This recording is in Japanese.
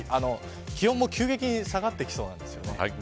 気温も急激に下がってきそうなんですよね。